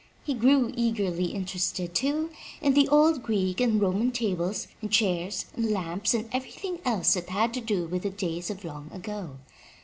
He grew eagerly interested, too, in old Greek and Roman tables and chairs and lamps and everything else that had to do with the days of long ago.